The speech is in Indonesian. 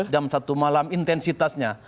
jam satu malam intensitasnya